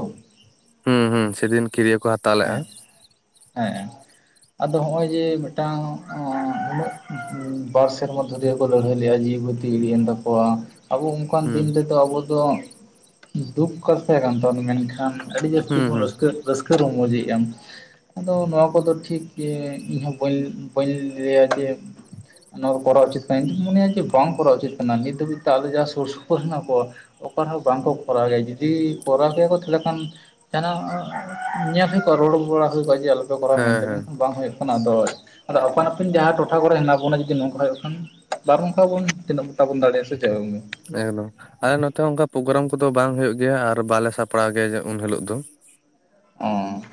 A: ᱦᱩᱸ-ᱦᱩᱸ ᱥᱮᱫᱤᱱ ᱠᱤᱨᱭᱟᱹ ᱠᱚ ᱦᱟᱛᱟᱣ ᱞᱮᱫᱼᱟ᱾
B: ᱦᱮᱸ ᱦᱮᱸ ᱟᱫᱚ ᱦᱚᱜᱼᱚᱭ ᱡᱮ ᱢᱤᱫᱴᱟᱝ ᱩᱱᱟᱹᱜᱼᱼ ᱵᱟᱨ ᱥᱮᱨᱢᱟ ᱫᱷᱚᱨᱮ ᱠᱚ ᱞᱟᱹᱲᱦᱟᱹᱭ ᱞᱮᱼᱟ ᱡᱤᱣᱤ ᱵᱟᱛᱤ ᱤᱲᱤᱡᱼᱮᱱ ᱛᱟᱠᱚᱣᱟ᱾ ᱟᱵᱚ ᱚᱱᱠᱟᱱ
A: ᱦᱩᱸ
B: ᱫᱤᱱ ᱨᱮᱫᱚ ᱟᱵᱚ ᱫᱚ ᱫᱩᱠ ᱠᱟᱛᱷᱟ ᱠᱟᱱ ᱛᱟᱵᱚᱱᱟ ᱢᱮᱱᱠᱷᱟᱱᱼᱼ ᱟᱹᱰᱤ ᱡᱟᱹᱥᱛᱤ
A: ᱦᱩᱸ
B: ᱵᱚᱱ
A: ᱦᱩᱸ
B: ᱨᱟᱹᱥᱠᱟᱹ, ᱨᱟᱹᱥᱠᱟᱹ ᱨᱚᱢᱚᱡᱽᱮᱫᱼᱟ ᱟᱫᱚ ᱱᱚᱣᱟ ᱠᱚᱫᱚ ᱴᱷᱤᱠ ᱜᱮ ᱤᱧᱦᱚᱸ ᱵᱟᱹᱧ ᱞᱟᱹᱭᱟ ᱡᱮᱼᱼ ᱚᱱᱟ ᱠᱚᱨᱟᱣ ᱩᱪᱤᱛ ᱠᱟᱱᱟ ᱤᱧ ᱫᱩᱧ ᱢᱚᱱᱮᱭᱟ ᱡᱮ ᱵᱟᱝ ᱠᱚᱨᱟᱣ ᱩᱪᱤᱛ ᱠᱟᱱᱟ ᱱᱤᱛ ᱫᱷᱟᱹᱵᱤᱡ ᱛᱮ ᱟᱞᱮ ᱡᱟᱦᱟᱸ ᱥᱩᱨ-ᱥᱩᱯᱩᱨ ᱦᱮᱱᱟᱜ ᱠᱚᱣᱟᱼᱼ ᱚᱠᱟᱨᱮᱦᱚᱸ ᱵᱟᱝᱠᱚ ᱠᱚᱨᱟᱣᱮᱫᱼᱟ ᱡᱩᱫᱤ ᱠᱚᱨᱟᱣ ᱜᱮᱭᱟ ᱠᱚ ᱛᱟᱦᱚᱞᱮ ᱠᱷᱟᱱᱼᱼ ᱧᱮᱞ ᱦᱩᱭ ᱠᱚᱜᱼᱟ ᱨᱚᱲ ᱵᱟᱲᱟ ᱦᱩᱭ ᱠᱚᱜᱼᱟ ᱡᱮ ᱟᱞᱚᱯᱮ ᱠᱚᱨᱟᱣᱟ
A: ᱦᱮᱸ
B: ᱢᱮᱱᱛᱮ
A: ᱦᱮᱸ
B: ᱢᱮᱱᱠᱷᱟᱱ ᱵᱟᱝ ᱦᱩᱭᱩᱜ ᱠᱟᱱᱟ ᱟᱫᱚᱼᱼ ᱟᱫᱚ ᱟᱯᱟᱱ-ᱟᱹᱯᱤᱱ ᱡᱟᱦᱟᱸ ᱴᱚᱴᱷᱟ ᱠᱚᱨᱮ ᱦᱮᱱᱟᱜ ᱵᱚᱱᱟ ᱡᱩᱫᱤ ᱱᱚᱝᱠᱟ ᱦᱩᱭᱩᱜ ᱠᱷᱟᱱ ᱵᱟᱨᱚᱱ ᱠᱚᱣᱟᱵᱚᱱ ᱛᱤᱱᱟᱹᱜ ᱠᱚᱴᱟᱵᱚᱱ ᱫᱟᱲᱮᱭᱟᱜᱼᱟ ᱥᱮ ᱪᱮᱫ
A: ᱮᱠᱫᱚᱢ ᱟᱞᱮ ᱱᱚᱛᱮ ᱦᱚᱸ ᱚᱱᱠᱟ ᱯᱨᱳᱜᱨᱟᱢ ᱠᱚᱫᱚ ᱵᱟᱝ ᱦᱩᱭᱩᱜ ᱜᱮᱭᱟ ᱟᱨ ᱵᱟᱞᱮ ᱥᱟᱯᱲᱟᱣ ᱜᱮᱭᱟ ᱩᱱ ᱦᱤᱞᱚᱜ ᱫᱚ
B: ᱦᱚᱸ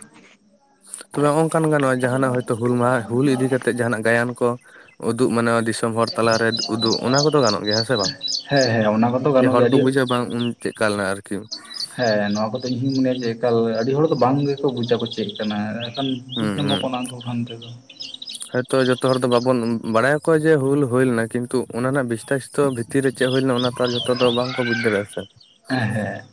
A: ᱛᱚᱵᱮ ᱦᱚ ᱱᱚᱝᱠᱟᱱ ᱜᱟᱱᱚᱜ-ᱟ ᱡᱟᱦᱟᱱᱟᱜ ᱦᱳᱭᱛᱳ ᱦᱩᱞ ᱢᱟᱦᱟ ᱦᱩᱞ ᱤᱫᱤ ᱠᱟᱛᱮ ᱛᱮᱫ ᱡᱟᱦᱟᱱᱟᱜ ᱜᱟᱭᱟᱱ ᱠᱚ ᱩᱫᱩᱜ ᱢᱟᱱᱟᱣᱟ ᱫᱤᱥᱚᱢ ᱫᱤᱥᱚᱢ ᱦᱚᱲ ᱛᱟᱞᱟᱨᱮ ᱩᱫᱩᱜ ᱚᱱᱟ ᱠᱚᱫᱚ ᱜᱟᱱᱚᱜ ᱜᱮᱭᱟ ᱦᱮᱸᱥᱮ ᱵᱟᱝ
B: ᱦᱮᱸ ᱦᱮᱸ ᱚᱱᱟ ᱠᱚᱫᱚ
A: ᱡᱮ
B: ᱜᱟᱱᱚᱜ
A: ᱦᱚᱲ
B: ᱜᱮᱭᱟ
A: ᱠᱚ
B: ᱟᱹᱰᱤ
A: ᱵᱩᱡᱟ ᱵᱟᱝ ᱩᱱ ᱪᱮᱫᱠᱟ ᱞᱮᱱᱟ ᱟᱨᱠᱤ [unintelligible]
B: ᱦᱮᱸ ᱱᱚᱣᱟ ᱠᱚᱫᱚ ᱤᱧᱦᱩᱧ ᱢᱚᱱᱮᱭᱟ ᱡᱮ ᱮᱠᱟᱞ ᱟᱹᱰᱤ ᱦᱚᱲ ᱫᱚ ᱵᱟᱝ ᱜᱮᱠᱚ ᱵᱩᱡᱷᱫᱟᱠᱚ ᱪᱮᱫ ᱠᱟᱱᱟ ᱮᱱᱠᱷᱟᱱ ᱵᱩᱡᱽ ᱧᱟᱢᱟᱠᱚ ᱚᱱᱟ ᱠᱚ ᱠᱷᱟᱱ ᱛᱮᱫᱚ
A: ᱦᱳᱭᱛᱚ ᱡᱚᱛᱚ ᱦᱚᱲ ᱫᱚ ᱵᱟᱵᱚᱱ ᱵᱟᱲᱟᱭᱟᱠᱚ ᱡᱮ ᱦᱩᱞ ᱦᱩᱭ ᱞᱮᱱᱟ ᱠᱤᱱᱛᱩ ᱚᱱᱟ ᱨᱮᱱᱟᱜ ᱵᱤᱥᱛᱟᱥᱤᱛᱚ ᱛᱤᱨ ᱨᱮ ᱪᱮᱫ ᱦᱩᱭ ᱞᱮᱱᱟ ᱚᱱᱟ ᱛᱚ ᱟᱨ ᱡᱷᱚᱛᱚ ᱫᱚ ᱵᱟᱝᱠᱚ ᱵᱩᱡᱽ ᱫᱟᱲᱮᱭᱟᱜ-ᱟᱥᱮ
B: ᱮ-ᱦᱮ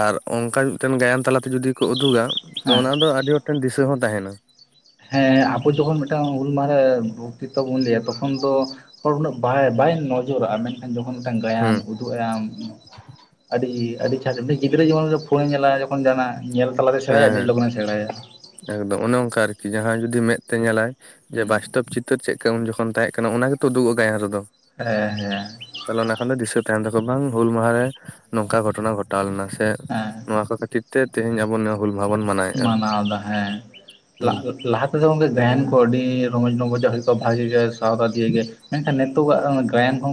A: ᱟᱨ ᱚᱱᱠᱟ ᱢᱤᱫᱴᱮᱱ ᱜᱟᱭᱟᱱ ᱛᱟᱞᱟᱛᱮ ᱡᱩᱫᱤ ᱠᱚ ᱩᱫᱩᱜᱟ ᱛᱚ ᱚᱱᱟ ᱫᱚ ᱟᱹᱰᱤ ᱦᱚᱲᱴᱷᱮᱱ ᱫᱤᱥᱟᱹ ᱦᱚᱸ ᱛᱟᱦᱮᱱᱟ
B: ᱦᱮᱸ ᱟᱵᱚ ᱡᱚᱠᱷᱚᱱ ᱢᱤᱫᱴᱟᱝ ᱦᱩᱞᱢᱟᱦᱟ ᱵᱚᱠᱛᱤᱛᱛᱚ ᱵᱚᱱ ᱞᱟᱹᱭᱟ ᱛᱚᱠᱷᱚᱱ ᱫᱚ ᱛᱚ ᱩᱱᱟᱹᱜ ᱵᱟᱭ ᱵᱟᱭ ᱱᱚᱡᱚᱨᱟᱜ-ᱟ ᱢᱮᱱᱠᱷᱟᱱ ᱡᱚᱠᱷᱚᱱ ᱢᱤᱫᱴᱟᱝ ᱜᱟᱭᱟᱱ
A: ᱦᱩᱸ
B: ᱟᱢ ᱟᱹᱰᱤ ᱟᱹᱰᱤ ᱜᱤᱫᱽᱨᱟᱹ ᱡᱮᱢᱚᱱ ᱯᱷᱳᱱᱮ ᱧᱮᱞᱟ ᱡᱚᱠᱷᱚᱱ ᱡᱟᱦᱟᱱᱟᱜ ᱧᱮᱞ ᱛᱟᱞᱟᱛᱮ ᱥᱮᱬᱟᱭᱟ
A: ᱦᱮᱸ
B: ᱟᱹᱰᱤ
A: ᱦᱮᱸ
B: ᱞᱚᱜᱚᱱᱮ ᱥᱮᱬᱟᱭᱟ
A: ᱮᱠᱫᱚᱢ ᱚᱱᱮ ᱚᱱᱠᱟ ᱟᱨᱠᱤ ᱡᱟᱦᱟᱸᱭ ᱡᱩᱫᱤ ᱢᱮᱫ ᱛᱮ ᱧᱮᱞᱟᱭ ᱡᱮ
B: ᱦᱩᱸ
A: ᱵᱟᱥᱛᱚᱵ ᱪᱤ ᱪᱤᱛᱟᱹᱨ ᱪᱮᱫ ᱠᱚ ᱩᱱ ᱡᱚᱠᱷᱚᱱ ᱛᱟᱦᱮᱸ ᱠᱟᱱᱟ ᱚᱱᱟ ᱜᱮᱛᱚ ᱩᱫᱩᱜᱚᱜ-ᱟ ᱜᱟᱭᱟᱱ ᱨᱮᱫᱚ
B: ᱦᱮᱸ ᱦᱮᱸ
A: ᱛᱟᱦᱞᱮ ᱚᱱᱟ ᱠᱷᱟᱱ ᱫᱚ ᱫᱤᱥᱟᱹ ᱛᱟᱦᱮᱱ ᱛᱟᱠᱚ ᱵᱟᱝ ᱦᱩᱞ ᱢᱟᱦᱟ ᱨᱮ ᱱᱚᱝᱠᱟ ᱜᱷᱚᱴᱚᱱᱟ ᱜᱷᱚᱴᱟᱣ ᱞᱮᱱᱟ ᱥᱮ
B: ᱦᱮᱸ
A: ᱱᱚᱣᱟ ᱠᱚ ᱠᱷᱟᱹᱛᱤᱨ ᱛᱮᱦᱤᱧ ᱟᱵᱚ ᱱᱚᱣᱟ ᱦᱩᱞ ᱢᱟᱦᱟ ᱵᱚᱱ ᱢᱟᱱᱟᱣᱮᱫᱼᱟ
B: ᱢᱟᱱᱟᱣᱫᱟ ᱦᱮᱸ
A: ᱦᱩᱸ
B: ᱞᱟᱦᱟ ᱛᱮᱫᱚ ᱜᱟᱭᱟᱱ ᱠᱚ ᱟᱹᱰᱤ ᱨᱚᱢᱚᱡᱽ ᱨᱚᱢᱚᱡᱟᱜ ᱦᱩᱭᱩᱜ ᱠᱟᱱ ᱵᱷᱟᱜᱤ ᱜᱮ ᱥᱟᱶᱛᱟ ᱫᱤᱭᱮ ᱜᱮ ᱢᱮᱱᱠᱷᱟᱱ ᱱᱤᱛᱚᱜᱟᱜ ᱜᱟᱭᱟᱱ ᱠᱚ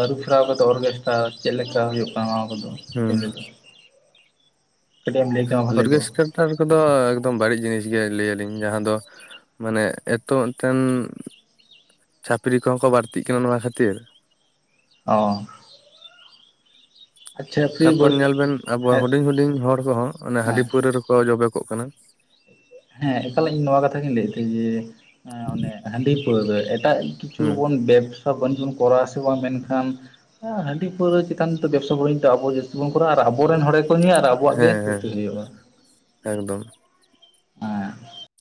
B: ᱟᱹᱨᱩ ᱯᱷᱮᱨᱟᱣ ᱠᱟᱛᱮᱫ ᱚᱨᱜᱮᱥᱴᱟᱨ ᱪᱮᱫ ᱞᱮᱠᱟ ᱦᱩᱭᱩᱜ ᱠᱟᱱᱟ ᱱᱚᱣᱟ ᱠᱚᱫᱚ
A: ᱦᱩᱸ
B: [unintelligible] ᱮᱢ ᱞᱟᱹᱭ ᱠᱮᱭᱟ ᱵᱷᱟᱞᱮ ᱠᱚᱜᱼᱟ
A: ᱚᱨᱜᱮᱥᱴᱨᱟᱴᱟᱨ ᱠᱚᱫᱚ ᱮᱠᱫᱚᱢ ᱵᱟᱹᱲᱤᱡ ᱡᱤᱱᱤᱥ ᱜᱮ ᱞᱟᱹᱭ ᱟᱹᱞᱤᱧ ᱡᱟᱦᱟᱸ ᱫᱚ ᱢᱟᱱᱮ ᱮᱛᱚ ᱢᱤᱫᱴᱮᱱ ᱪᱷᱟᱹᱯᱨᱤ ᱠᱚᱦᱚᱸ ᱠᱚ ᱵᱟᱹᱲᱛᱤᱜ ᱠᱟᱱᱟ ᱱᱚᱣᱟ ᱠᱷᱟᱹᱛᱤᱨ
B: ᱚ ᱟᱪᱪᱷᱟ ᱯᱷᱨᱤ
A: ᱛᱟᱯᱚᱨ
B: ᱵᱟᱹᱲ
A: ᱧᱮᱞ ᱵᱤᱱ ᱟᱵᱚ
B: ᱦᱮᱸ
A: ᱦᱩᱰᱤᱧ ᱦᱩᱰᱤᱧ ᱦᱚᱲ ᱠᱚᱦᱚᱸ ᱦᱟᱺᱰᱤ
B: ᱦᱮᱸ
A: ᱯᱟᱹᱣᱨᱟᱹ ᱨᱮᱠᱚ ᱡᱚᱵᱮ ᱠᱚᱜ ᱠᱟᱱᱟ
B: ᱦᱮᱸ ᱮᱠᱟᱞ ᱤᱧ ᱱᱚᱣᱟ ᱠᱟᱛᱷᱟ ᱜᱤᱧ ᱞᱟᱹᱭᱮᱫ ᱛᱟᱦᱮᱸ ᱡᱮ ᱚᱱᱮ ᱦᱟᱺᱰᱤ ᱯᱟᱹᱣᱨᱟᱹ ᱮᱴᱟᱜ ᱠᱤᱪᱷᱩ
A: ᱦᱩᱸ
B: ᱵᱚᱱ ᱵᱮᱵᱽᱥᱟ ᱵᱟᱱᱤᱡ ᱵᱚᱱ ᱠᱚᱨᱟ ᱟᱥᱮ ᱵᱟᱝ ᱢᱮᱱᱠᱷᱟᱱ ᱦᱮ ᱦᱟᱺᱰᱤ ᱯᱟᱹᱣᱨᱟᱹ ᱪᱮᱛᱟᱱ ᱫᱚ ᱵᱮᱵᱥᱟ ᱵᱟᱹᱱᱤᱡᱽ ᱟᱵᱚ ᱡᱟᱹᱥᱛᱤ ᱵᱚᱱ ᱠᱚᱨᱟᱣᱟ ᱟᱨ ᱟᱵᱚᱨᱮᱱ ᱦᱚᱲ ᱠᱟᱹᱢᱤᱭᱟ ᱟᱨ ᱟᱵᱚᱣᱟᱜ ᱜᱮ
A: ᱦᱮᱸ ᱦᱮᱸ
B: ᱠᱷᱚᱛᱤ ᱦᱩᱭᱩᱜ-ᱟ
A: ᱮᱠᱫᱚᱢ
B: [inaudible]